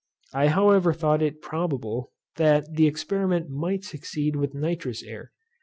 I however thought it probable, that the experiment might succeed with nitrous air.